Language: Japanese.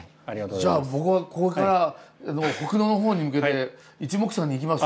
じゃあ僕はここから北濃の方に向けて一目散に行きます！